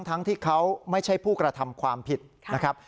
ทั้งที่เขาไม่ใช่ผู้กระทำความผิดนะครับ